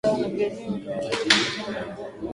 na vilevile imefikia katika mkutano huo kuwa majeshi hayo